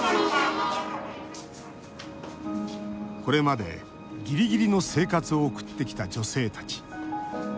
これまで、ギリギリの生活を送ってきた女性たち。